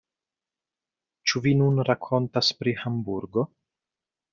Ĉu vi nun rakontos pri Hamburgo?